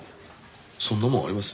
そんなもんあります？